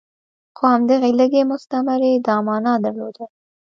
خو همدغې لږې مستمرۍ دا معنی درلوده.